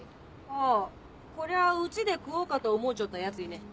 あぁこりゃあうちで食おうかと思うちょったやついね。